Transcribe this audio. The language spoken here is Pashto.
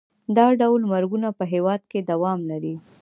دا ډول مرګونه په هېواد کې دوام لري.